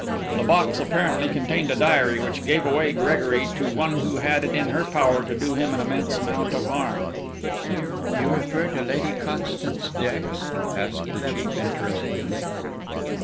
The box apparently contained a diary which gave away Gregory to one who had it in her power to do him an immense amount of harm." "You refer to Lady Constance Dex?" asked the chief, interestedly.